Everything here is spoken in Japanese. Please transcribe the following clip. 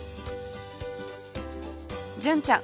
純ちゃん